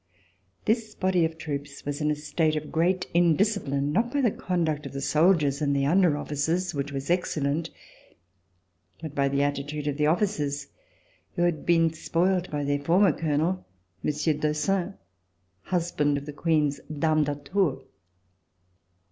This body of troops was in a state of great indiscipline, not by the conduct of the soldiers and the under officers, which was excellent, but by the attitude of the officers, who had been spoiled by their former Colonel, Monsieur d'Ossun, husband of the Queen's Dame d'Atours.